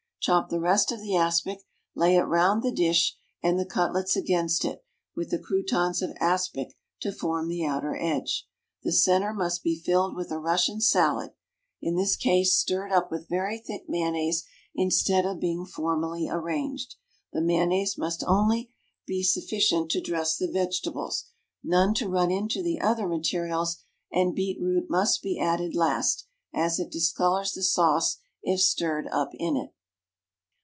Chop the rest of the aspic, lay it round the dish, and the cutlets against it, with the croûtons of aspic to form the outer edge. The centre must be filled with a Russian salad, in this case stirred up with very thick mayonnaise, instead of being formally arranged. The mayonnaise must be only sufficient to dress the vegetables, none to run into the other materials, and beet root must be added last, as it discolors the sauce if stirred up in it.